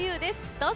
どうぞ。